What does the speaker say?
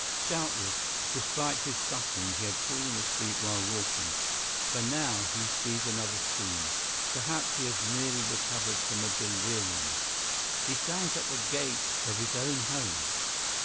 Doubtless, despite his suffering, he had fallen asleep while walking, for now he sees another scene—perhaps he has merely recovered from a delirium. He stands at the gate of his own home.